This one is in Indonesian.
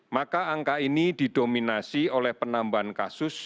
maka angka ini didominasi oleh penambahan kasus